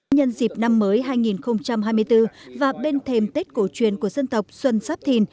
nhân dịp năm mới hai nghìn hai mươi bốn và bên thềm tết cổ truyền của dân tộc xuân giáp thìn